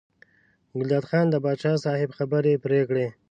ګلداد خان د پاچا صاحب خبرې پرې کړې.